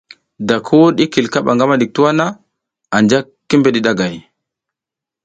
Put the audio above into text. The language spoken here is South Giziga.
Da ki wuɗ bak i kil kaɓa ngama ɗik tuwa na, anja ki bidi ɗagay.